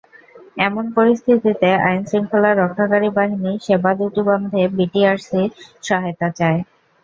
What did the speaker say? এমন পরিস্থিতিতে আইনশৃঙ্খলা রক্ষাকারী বাহিনী সেবা দুটি বন্ধে বিটিআরসির সহায়তা চায়।